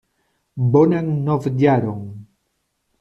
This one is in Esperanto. Bonan novjaron!